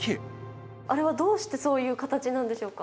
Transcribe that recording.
あれは、どうしてそういう形なんでしょうか？